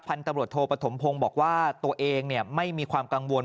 ตำรวจโทปฐมพงศ์บอกว่าตัวเองไม่มีความกังวล